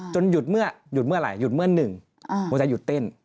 จนหยุดเมื่อหยุดเมื่ออะไรหยุดเมื่อ๑หัวใจหยุดเต้น